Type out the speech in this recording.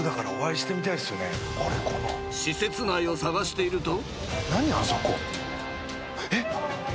［施設内を探していると］